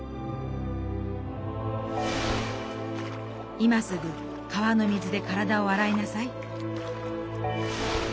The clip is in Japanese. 「今すぐ川の水で体を洗いなさい」。